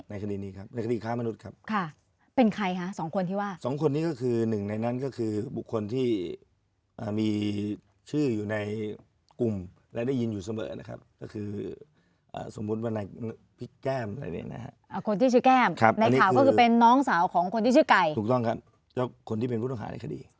คดีนี้ครับในคดีค้ามนุษย์ครับค่ะเป็นใครคะสองคนที่ว่าสองคนนี้ก็คือหนึ่งในนั้นก็คือบุคคลที่มีชื่ออยู่ในกลุ่มและได้ยินอยู่เสมอนะครับก็คือสมมุติว่าในพริกแก้มอะไรเนี่ยนะฮะคนที่ชื่อแก้มในข่าวก็คือเป็นน้องสาวของคนที่ชื่อไก่ถูกต้องครับเจ้าคนที่เป็นผู้ต้องหาในคดี